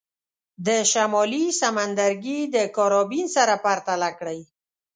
د شمالي سمندرګي د کارابین سره پرتله کړئ.